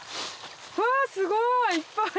うわすごい！いっぱい！